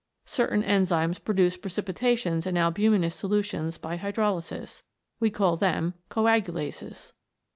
Certain enzymes produce precipita tions in albuminous solutions by hydrolysis. We call them Coagulases.